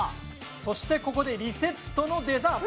そしてここでリセットのデザート。